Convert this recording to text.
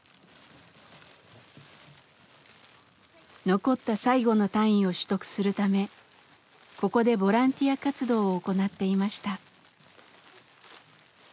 残った最後の単位を取得するためここでボランティア活動を行っていました。